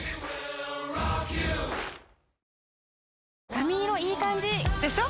髪色いい感じ！でしょ？